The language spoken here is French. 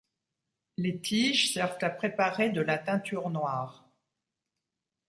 Les tiges servent à préparer de la teinture noire.